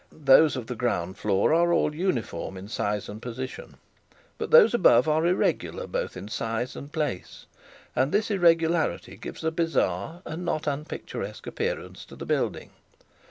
Those of the ground floor are all uniform in size and position. But those above are irregular both in size and place, and this irregularity gives a bizarre and not unpicturesque appearance to the building.